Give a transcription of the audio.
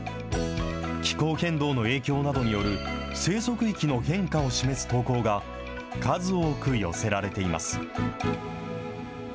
気候変動の影響などによる生息域の変化を示す投稿が、数多く寄せられています。